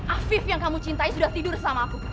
afif yang kamu cintai sudah tidur sama aku